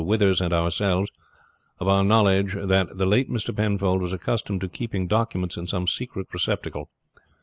Withers and ourselves of our knowledge that, the late Mr. Penfold was accustomed to keep documents in some secret receptacle.